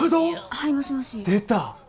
はいもしもし出た！